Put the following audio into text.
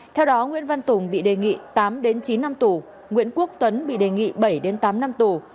theo đó nguyễn văn tùng bị đề nghị tám chín năm tù nguyễn quốc tuấn bị đề nghị bảy tám năm tù